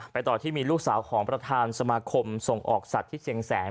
ต่อที่มีลูกสาวของประธานสมาคมส่งออกสัตว์ที่เชียงแสน